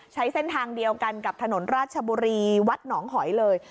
ใช้เส้นทางเดียวกันกับถนนราชบุรีวัดหนองหอยเลย